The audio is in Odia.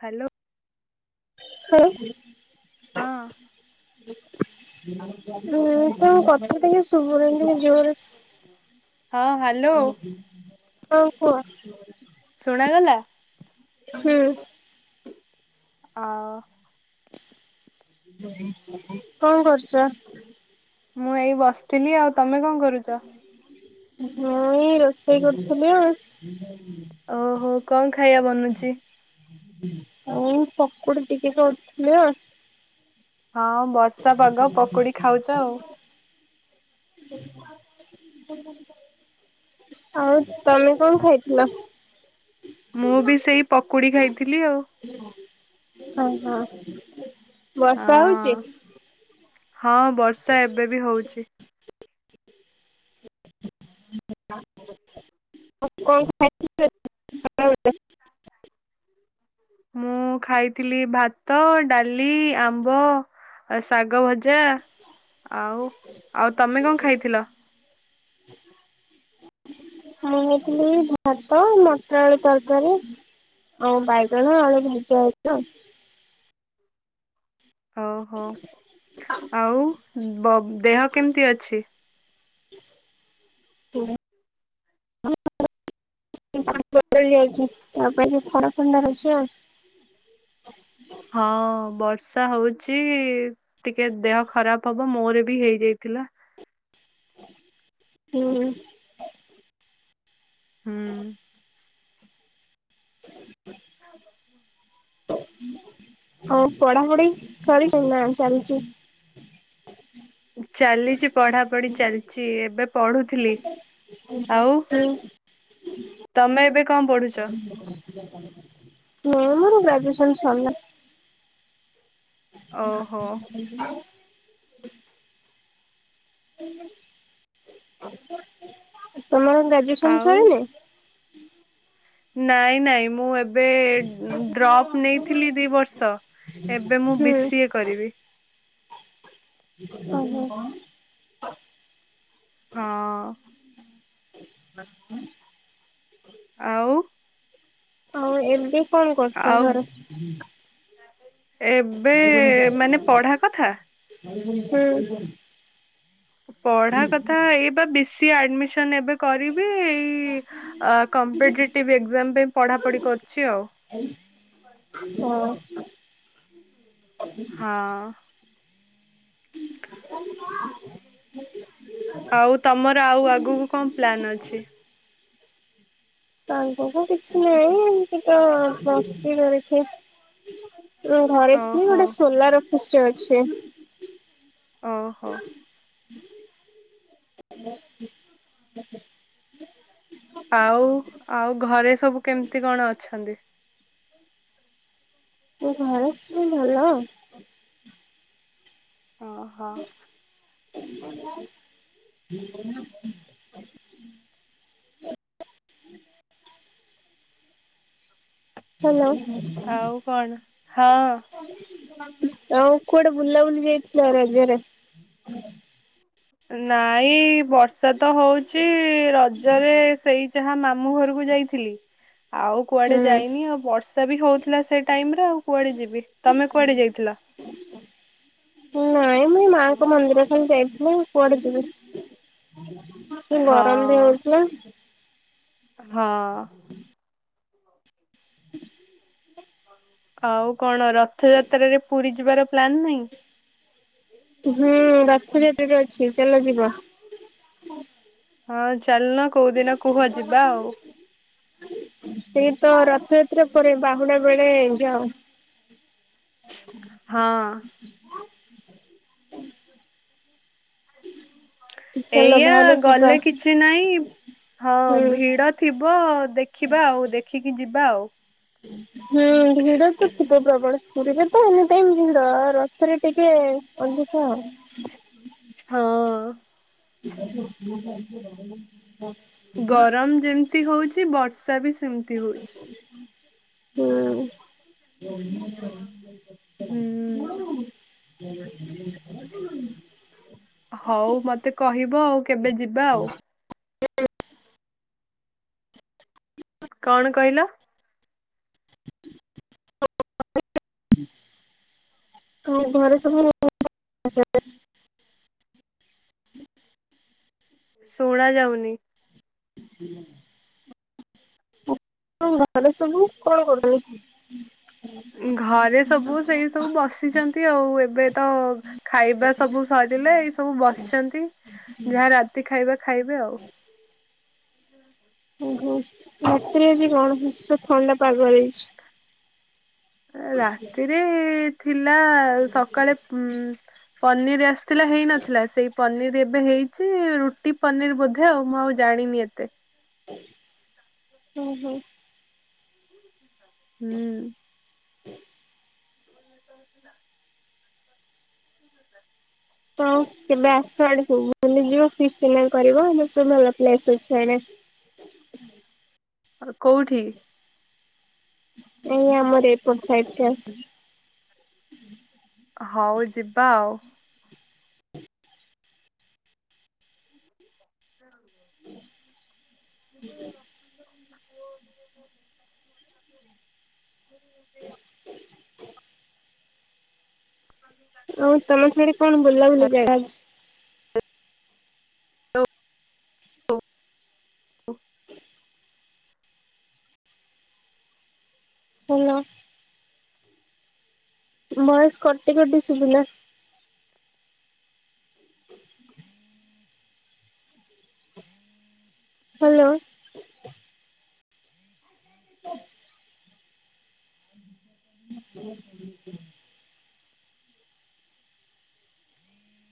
ହ୍ୟାଲୋ। ହଁ [inaudible] ହଁଅଂ। ହୁଁ ତମ କଥା ଟିକେ ଶୁବୁନି। ହଁ ହ୍ୟାଲୋ ହଉ କୁହ [unintelligible] ଶୁଣାଗଲା। ହୁଁ। ଆ ଅ। କଣ କରୁଛ? ମୁଁ ଏଇ ବସିଥିଲି ଆଉ ତମେ କଣ କରୁଚ? ମୁଁ ଏଇ ରୋଷେଇ କରୁଥିଲି ଆଉ। ଓହୋ କଣ ଖାଇବା ବନୁଛି? ଆଉ ଏଇ ପକୁଡି ଟିକେ କରୁଥିଲି ଆଉ,। ହଁ ବର୍ଷା ପାଗ ପକୁଡି ଖାଉଚ ଆଉ, ଆଉ ତମେ କଣ ଖାଇଥିଲ? ମୁଁ ବି ସେଇ ପକୁଡି ଖାଇଥିଲି ଆଉ,। ଅ ହ, ବର୍ଷା ହଁ। ହଉଛି? ହଁ ବର୍ଷା ଏବେ ବି ହଉଚି। ଆଉ କଣ ଖାଇଥିଲେ ଖରାବେଳେ,? [unintelligible] ମୁଁ ଖାଇଥିଲି ଭାତ ଡାଲି ଆମ୍ବ ଆ ଶାଗ ଭଜା, ଯା ଆଉ ଆଉ, ତମେ କଣ ଖାଇଥିଲ? ମୁଁ ଖାଇଥିଲି ଭାତ ମଟର ଆଳୁ ତରକାରୀ, ଆଉ ବାଇଗଣ ଆଳୁ ଭଜା ହେଇଥିଲା ଆଉ ଓହୋ ଆଉ ବବ୍, ଦେହ କେମିତି ଅଛି? ହୁଁ [inaudible] ବଦଳି ଯାଉଛି ତା ପାଇଁ କି ଖରା ଫଣ୍ଡା ଅଛି ଆଉ,। ହଁ ବର୍ଷା ହଉଛି ଟିକେ ଦେହ ଖରାପ ହବ ମୋରେ ବି ହେଇଯାଇଥିଲା। ହୁଁ, ହୁଁ, ଆଉ ପଢ଼ାପଢ଼ି ସରିଚି ନା ଚାଲିଚି? ଚାଲିଚି ପଢ଼ାପଢ଼ି ଚାଲିଚି ଏବେ ପଢ଼ୁଥିଲି। [unintelligible] ତମେ ଏବେ କଣ ପଢ଼ୁଛ? ନାଇଁ ମୋର ଗ୍ରାଜୁଏସନ୍ ସରିଲା। ଓ, ତମର ଗ୍ରାଜୁଏସନ୍ ଆଉ ସରିଲା? ନାଇଁ ନାଇଁ ମୁଁ ଏବେ ଡ୍ରପ୍ ନେଇଥିଲି ଦି ବର୍ଷ। ଏବେ ମୁଁ ବି ହୁଁ ସିଏ କରିବି। ଓହୋ, [inaudible] ହଁ। [unintelligible] ଆଉ ଆଉ ଏବେ କଣ କରୁଛ ଆଉ ଘରେ? ଏବେ ମାନେ ପଢ଼ା କଥା? ହୁଁ। ପଢ଼ା କଥା ଏଇ ବା ବିି ସି ଆଡମିସ ସନ୍ ଏବେ କରିବି। ଏଇ ଅ, କ୍ମପିଟେଟିଭ୍ ଏକ୍ଜାମ ପାଇଁ ପଢ଼ାପଢ଼ି କରୁଛି ଆଉ। [unintelligible] ହଁ। ଆଉ ତୋମର ଆଉ ଆଗକୁ କଣ ପ୍ଲାନ୍ ଅଛି? ଆଗକୁ କିଛି ନାହିଁ। ଏମିତି ତ ବସଛି ଘରେ ଥ। ମୋ ଘରେ କି ଓହୋ ଗୋଟେ ସୋଲାର ଅଫିସ୍ ଟେ ଅଛି। ଓହୋ! [inaudible] ଆଉ, ଆଉ ଘରେ ସବୁ କେମିତି କଣ ଅଛନ୍ତି? ମୋ ଘରେ ସେମତି ଭଲ। ଓ ହୋ। [inaudible] [inaudible] ହେଲୋ। ଆଉ କଣ? ହଁ ଆଉ କୁଆଡେ ବୁଲାବୁଲି ଯାଇଥିଲ ରଜରେ? ନାଇ ବର୍ଷା ତ ହଉଛି। ରଜରେ ସେଇ ଯାହା ମାମୁଁ ଘରକୁ ଯାଇଥିଲି। ଆଉ କୁଆଡେ ହୁଁ। ଯାଇନି ଆଉ ବର୍ଷା ବି ହଉଥିଲା ସେଇ ଟାଇମ୍ ର ଆଉ କୁଆଡେ ଯିବି। ତୋମେ କୁଆଡେ ଯାଇଥିଲ? [inaudible] ନାଇଁ ମୁଁ ମାଙ୍କ ମନ୍ଦିର ଖାଲି ଯାଇଥିଲି। କୁଆଡେ ଯିବି? ହଁ, ଗରମ ବି ହଁ ହଉଥିଲା। ହଁ। [inaudible] ଆଉ କଣ ରଥଯାତ୍ରରେ ପୁରୀ ଯିବାର ପ୍ଲାନ୍ ନାହିଁ? ହୁଁ, ର ଥଯାତ୍ରା ବି ଅଛି ଚାଲ ଯିବ। ହଁ ଚାଲୁନ, କୋଉଦିନ କୁହ ଯିବା ଆଉ? ସେଇ ତ ରଥଯାତ୍ରା ପରେ, ବାହୁଡା ବେଳେ ଯାଅ। [inaudible] ହଁ। ଚାଲ ଏଇଆ ବାହାର ଯିବା ଗଲେ କିଛି ନାଇଁ ହଁ ହୁଁ। ଭିଡ ଥିବ। ଦେଖିବା ଆଉ ଦେଖିକି ଯିବା ଆଉ। ହୁଁ, ଭିଡ ତ ଥିବ ପ୍ରବଳ। ପୁରୀରେ ତ ଏନିଟାଇମ ଭିଡ। ରଥରେ ଟିକେ ଅଧିକ। ହଁ। [inaudible] ଗରମ ଯେମିତି ହୋଉଛି। ବର୍ଷା ବି ସେମିତି ହୋଉଛି। ହୁଁ ହଁ। [inaudible] ହଉ ମୋତେ କହିବ, ଆଉ କେବେ ଯିବା ଆଉ? [inaudible] କଣ କହିଲ? [inaudible] ତମ ଘରେ ସବୁ [unintelligible] [inaudible] ଶୁଣାଯାଉନି। [unintelligible] ତମ ଘରେ ସବୁ କଣ କରୁଚନ୍ତି। ଘରେ ସବୁ ସେଇ ସବୁ ବସିଚନ୍ତି ଆଉ ଏବେ ତ ଖାଇବା ସବୁ ସରି ରିଲା ଏଇ ସବୁ ବସିଛନ୍ତି ଯାହା ରାତି ଖାଇବା ଖାଇବେ ଆଉ। ଉହୁଁ ରାତିରେ ଆଜି କଣ ହେଇଚି ତ ଥଣ୍ଡା ପାଗ ଦେଇଛି। ରାତିରେ ଥିଲା ସକାଳେ ଉଁ ପନିରି ଆସ ଥିଲା ହେଇନଥିଲା ସେଇ ପନିରି ଏ ବେ ହେଇଛି ରୁଟି ପନିର ବୋଧେ ଆଉ ମୁଁ ଆଉ ଜାଣିନି ଏତେ ଉଁହୁଁ। ହୁଁ। [inaudible] [unintelligible] ଆପଣ କେବେ ଆସ ୟାଡକୁ ବୁଲିକି ଯିବ ଫିଷ୍ଟି ହେରିକା ବି କରିବ ଆମ ଆସ ଭଲ ପ୍ଲେସ ଅଛି ୟାଡ଼େ। ଆରେ କୋଉଠି। ଏଇ ଆମର ଏପଟ ସାଇଟି କି ଆସ ହଉ ଯିବା ଆଉ [inaudible] [unintelligible] ଆଉ ତମର ସ୍ୟାଡେ କଣ ବୁଲାବୁଲି ଜାଗା ଅଛି। [unintelligible] ହାଲୋ। ଭଏସ୍‌ କଟି କଟି ଶୁଭିଲା [inaudible] ହାଲୋ। [unintelligible] [unintelligible]